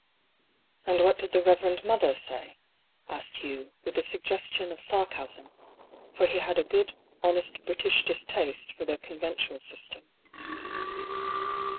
" And what did the Reverend Mother say ?" asked Hugh, with a suggestion of sarcasm, for he had a good honest British distaste for the conventual system.